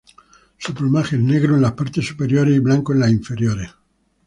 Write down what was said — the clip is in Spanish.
Su plumaje es negro en las partes superiores y blanco en las inferiores.